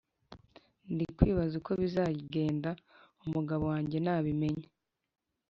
Ndi kwibaza uko bizagenda umugabo wanjye nabimenya,